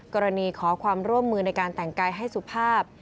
กรณีขอความร่วมมือในการแต่งกายให้สุภาพ